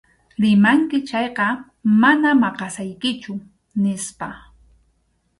Rimanki chayqa mana maqasaykichu, nispa.